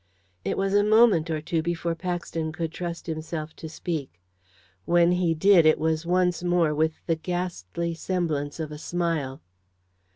It was a moment or two before Paxton could trust himself to speak. When he did it was once more with the ghastly semblance of a smile.